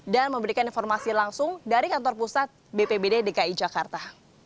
dan memberikan informasi langsung dari kantor pusat bpbd dki jakarta